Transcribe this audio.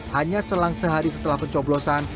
hanya selang sehari setelah pencoblosan